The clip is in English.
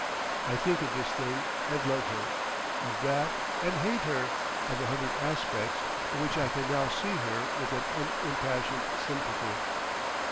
I think of this thing and love her, of that and hate her—of a hundred aspects in which I can now see her with an unimpassioned sympathy.